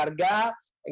itu artinya kesalahan